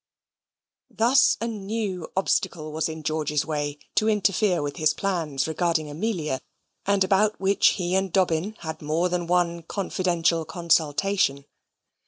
Thus a new obstacle was in George's way, to interfere with his plans regarding Amelia; and about which he and Dobbin had more than one confidential consultation.